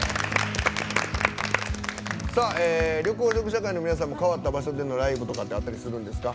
緑黄色社会の皆さんも変わった場所でのライブとかってあったりするんですか？